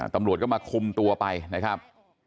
ตำรวจก็มาคุมตัวไปนะครับ